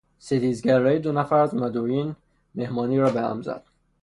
ستیزگرایی دو نفر از مدعوین مهمانی را به هم زد.